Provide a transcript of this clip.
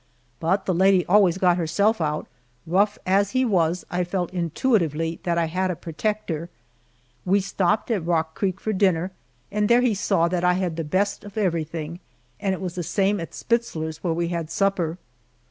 But the lady always got herself out. Rough as he was, I felt intuitively that I had a protector. We stopped at Rock Creek for dinner, and there he saw that I had the best of everything, and it was the same at Spitzler's, where we had supper.